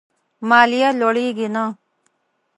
ماليه لوړېږي نه.